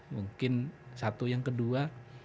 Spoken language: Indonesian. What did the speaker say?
mungkin satu yang kedua